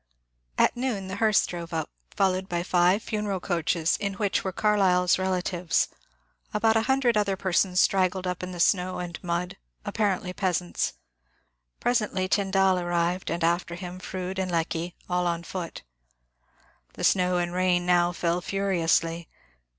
At noon the hearse drove up, followed by five funeral coaches in which were Carlyle's relatives ; about a himdred other per sons straggled up in the snow and mud, apparently peasants ; presently Tyndall arrived, and after him Froude and Lecky, all on foot. The snow and rain now fell furiously.